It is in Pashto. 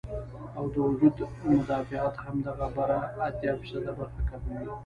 او د وجود مدافعت هم دغه بره اتيا فيصده برخه کموي